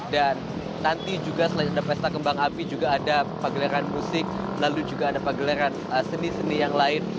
dan nanti juga selain ada pesta kembang api juga ada pagelaran musik lalu juga ada pagelaran seni seni yang lain